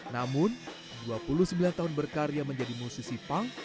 namun dua puluh sembilan tahun berkarya menjadi musisi punk